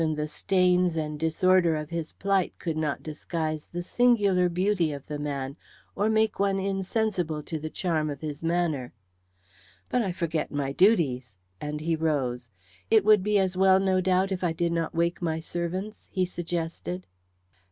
Even the stains and disorder of his plight could not disguise the singular beauty of the man or make one insensible to the charm of his manner. But I forget my duties," and he rose. "It would be as well, no doubt, if I did not wake my servants?" he suggested.